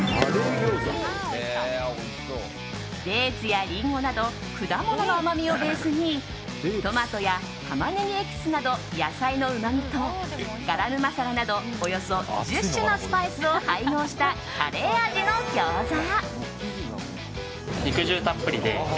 デーツやリンゴなど果物の甘みをベースにトマトやタマネギエキスなど野菜のうまみとガラムマサラなどおよそ１０種のスパイスを配合したカレー味のギョーザ。